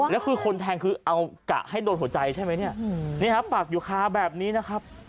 แล้วคือคนแทงคือเอากะให้โดนหัวใจใช่ไหมเนี่ยนี่ฮะปากอยู่คาแบบนี้นะครับ